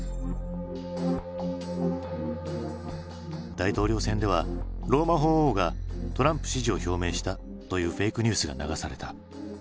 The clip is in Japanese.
大統領選ではローマ法王がトランプ支持を表明したというフェイクニュースが流された。